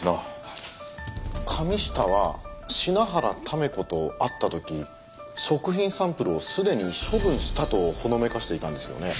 神下は品原試子と会った時食品サンプルをすでに処分したとほのめかしていたんですよね？